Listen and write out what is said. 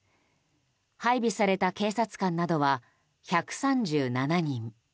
配備された警察官などは１３７人。